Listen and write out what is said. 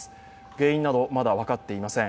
原因などまだ分かっていません。